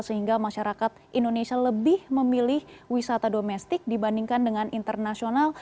sehingga masyarakat indonesia lebih memilih wisata domestik dibandingkan dengan internasional